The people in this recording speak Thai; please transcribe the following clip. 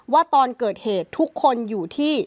ว่าตอนเกิดเหตุทุกคนอยู่ที่